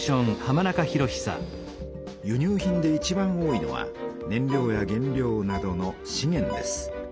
輸入品でいちばん多いのは燃料や原料などのしげんです。